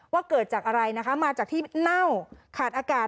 เกิดจากอะไรนะคะมาจากที่เน่าขาดอากาศ